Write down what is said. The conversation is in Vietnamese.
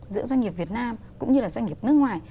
giữa doanh nghiệp việt nam cũng như là doanh nghiệp nước ngoài